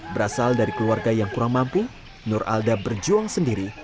berasal dari keluarga yang kurang mampu nur alda berjuang sendiri